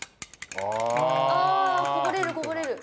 あこぼれるこぼれる。